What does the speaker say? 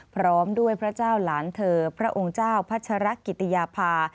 พร้อมด้วยพระเจ้าหลานเธอพระองค์เจ้าพัชรกิติยาภา